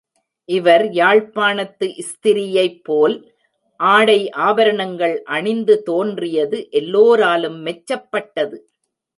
இவர் யாழ்ப்பாணத்து ஸ்திரீயைப்போல் ஆடை ஆபரணங்கள் அணிந்து தோன்றியது எல்லோராலும் மெச்சப் பட்டது.